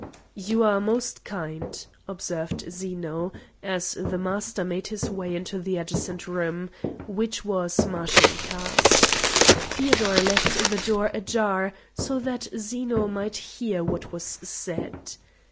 "You are most kind," observed Zeno as the Master made his way into the adjacent room, which was Mashinka's. Feodor left the door ajar so that Zeno might hear what was said.